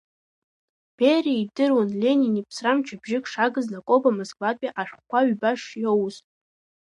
Бериа идыруан, Ленин иԥсра мчыбжьык шагыз Лакоба Москвантәи ашәҟәқәа ҩба шиоуз.